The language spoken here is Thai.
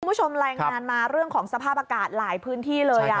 คุณผู้ชมรายงานมาเรื่องของสภาพอากาศหลายพื้นที่เลย